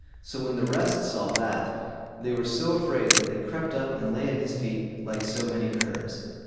So when the rest saw that, they were so afraid that they crept up and lay at his feet like so many curs.